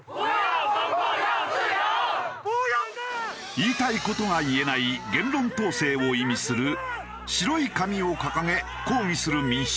言いたい事が言えない言論統制を意味する白い紙を掲げ抗議する民衆。